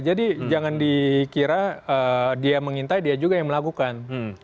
jadi jangan dikira dia mengintai dia juga yang melakukan